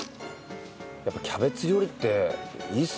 やっぱキャベツ料理っていいっすね手軽で。